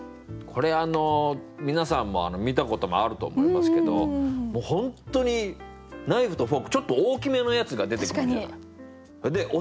これあの皆さんも見たこともあると思いますけど本当にナイフとフォークちょっと大きめのやつが出てくるんだよね。